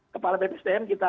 kepala bpsdm kita